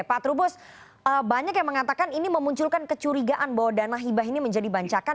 pak trubus banyak yang mengatakan ini memunculkan kecurigaan bahwa dana hibah ini menjadi bancakan